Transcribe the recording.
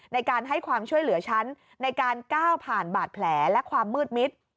ในการให้ความช่วยเหลือฉันในการก้าวผ่านบาดแผลและความมืดมิด